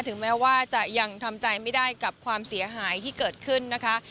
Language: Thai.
ถึงแม้ว่าจะยังทำใจไม่ได้กับความเสียหายที่เกิดขึ้นนะคะ